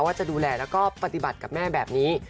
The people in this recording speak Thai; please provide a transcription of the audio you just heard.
ว่าจะดูแลแล้วก็ปฏิบัติกับแม่แบบนี้